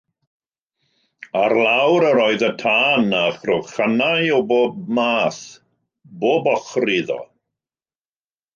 Ar lawr yr oedd y tân, a chrochanau o bob math bob ochr iddo.